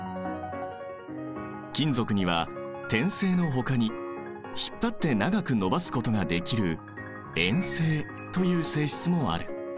金属には展性のほかに引っ張って長く延ばすことができる「延性」という性質もある。